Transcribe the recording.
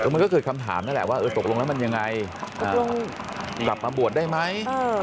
มันก็เกิดคำถามนั่นแหละว่าตกลงแล้วมันยังไงกลับมาบวชได้ไหม